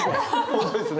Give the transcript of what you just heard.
本当ですね。